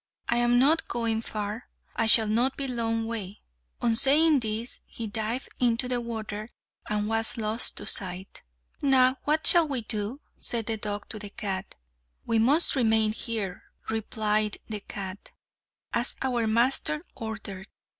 "I am not going far. I shall not be long away." On saying this, he dived into the water and was lost to sight. "Now what shall we do?" said the dog to the cat. "We must remain here," replied the cat, "as our master ordered.